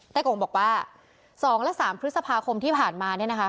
แต้ก๋งบอกว่าสองและสามพฤษภาคมที่ผ่านมาเนี้ยนะคะ